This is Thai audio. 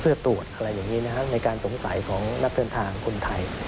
เพื่อตรวจอะไรอย่างนี้นะครับในการสงสัยของนักเดินทางคนไทย